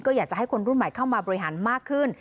ก็อยากจะให้คนรุ่นใหม่เข้ามาบริหารมากขึ้น